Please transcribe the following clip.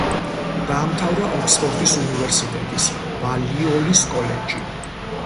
დაამთავრა ოქსფორდის უნივერსიტეტის ბალიოლის კოლეჯი.